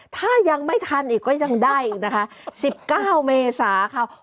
ถ้ายังไม่ทันอีกก็ยังได้อีกนะคะ๑๙เมษาค่ะ